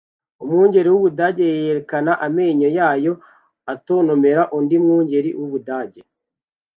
Umwungeri w’Ubudage yerekana amenyo yayo atontomera undi mwungeri w’Ubudage